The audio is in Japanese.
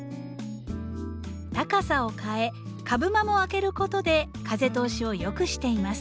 高さを変え株間も空けることで風通しを良くしています。